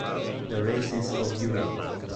The Races of Europe